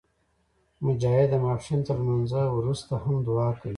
مجاهد د ماسپښین تر لمونځه وروسته هم دعا کوي.